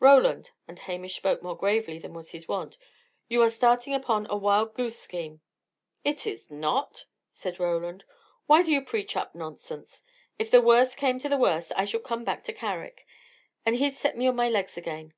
"Roland" and Hamish spoke more gravely than was his wont "you are starting upon a wild goose scheme." "It is not," said Roland; "why do you preach up nonsense? If the worst came to the worst, I should come back to Carrick, and he'd set me on my legs again.